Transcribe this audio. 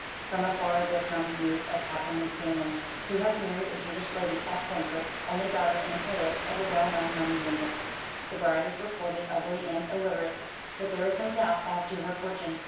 From afar there comes news of Captain Winstanley, who has married a Jewish lady at Frankfort, only daughter and heiress of a well known money lender. The bride is reported ugly and illiterate; but there is no doubt as to her fortune.